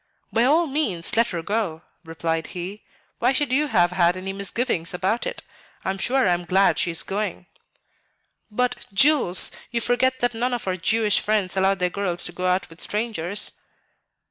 "By all means, let her go," replied he; "why should you have had any misgivings about it? I am sure I am glad she is going." "But, Jules, you forget that none of our Jewish friends allow their girls to go out with strangers."